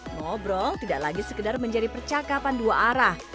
ngobrol tidak lagi sekedar menjadi percakapan dua arah